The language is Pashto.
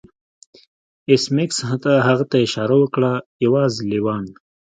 ایس میکس هغه ته اشاره وکړه یوازې لیوان